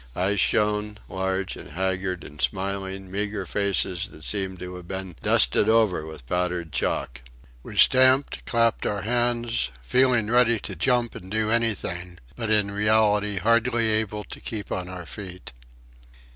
Eyes shone, large and haggard, in smiling, meagre faces that seemed to have been dusted over with powdered chalk. We stamped, clapped our hands, feeling ready to jump and do anything; but in reality hardly able to keep on our feet.